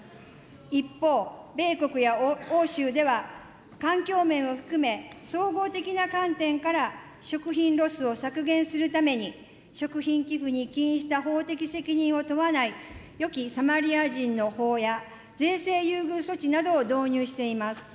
一方、米国や欧州では、環境面を含め、総合的な観点から食品ロスを削減するために、食品寄付に起因した法的責任を問わない、善きサマリア人の法や、税制優遇措置などを導入しています。